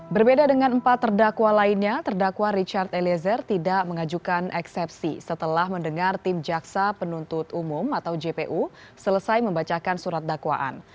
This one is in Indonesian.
berbeda dengan empat terdakwa lainnya terdakwa richard eliezer tidak mengajukan eksepsi setelah mendengar tim jaksa penuntut umum atau jpu selesai membacakan surat dakwaan